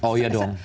oh ya dong